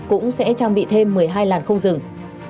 cũng sẽ trang bị thêm một mươi hai làn không dừng